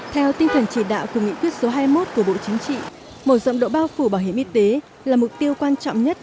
theo tinh thần chỉ đạo của nghị quyết số hai mươi một của bộ chính trị mở rộng độ bao phủ bảo hiểm y tế là mục tiêu quan trọng nhất